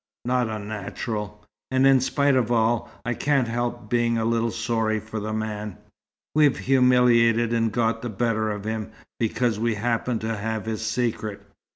Not unnatural and in spite of all, I can't help being a little sorry for the man. We've humiliated and got the better of him, because we happen to have his secret.